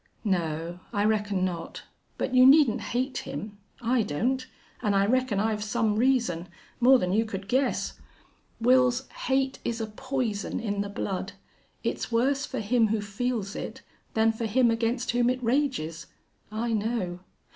"No. I reckon not. But you needn't hate him. I don't. An' I reckon I've some reason, more than you could guess.... Wils, hate is a poison in the blood. It's worse for him who feels it than for him against whom it rages. I know....